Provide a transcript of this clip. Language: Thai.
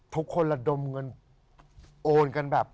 ทุกคนระดมเงินโอนกันแบบ